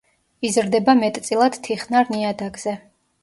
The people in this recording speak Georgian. იზრდება მეტწილად თიხნარ ნიადაგზე.